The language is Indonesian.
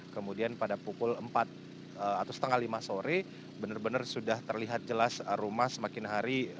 kemudian pada pukul empat atau setengah lima sore benar benar sudah terlihat jelas rumah semakin hari